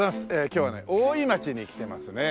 今日はね大井町に来てますね。